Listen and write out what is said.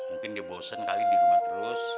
mungkin dia bosen kali di rumah terus